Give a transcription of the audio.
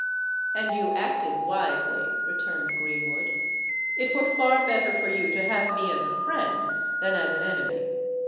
"And you acted wisely," returned Greenwood. "It were far better for you to have me as a friend, than as an enemy.